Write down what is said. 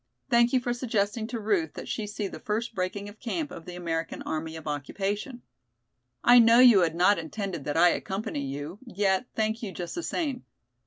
"Thank you for suggesting to Ruth that she see the first breaking of camp of the American Army of Occupation. I know you had not intended that I accompany you, yet thank you just the same.